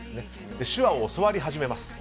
手話を教わり始めます。